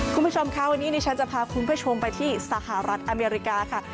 คุณผู้ชมค่ะวันนี้ดิฉันจะพาคุณผู้ชมไปที่สหรัฐอเมริกาค่ะ